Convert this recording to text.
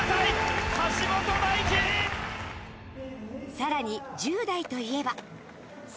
さらに１０代といえば。